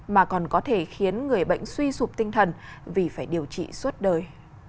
mà còn có thể khiến người bệnh suy sụp tinh thần vì phải điều trị suốt đời